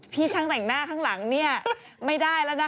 พี่ช่างแต่งหน้าข้างหลังเนี่ย